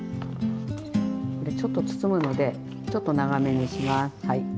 これちょっと包むのでちょっと長めにします。